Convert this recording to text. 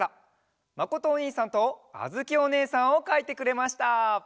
まことおにいさんとあづきおねえさんをかいてくれました！